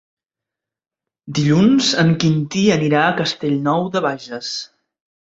Dilluns en Quintí anirà a Castellnou de Bages.